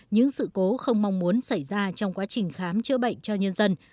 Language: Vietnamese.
những sự cố không mong muốn xảy ra trong quá trình khám chữa bệnh cho nhân dân